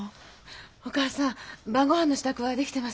お義母さん晩ごはんの支度は出来てますから。